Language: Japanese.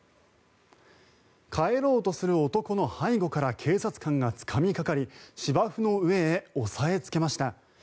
帰ろうとする男の背後から警察官がつかみかかり芝生の上へ押さえつけました。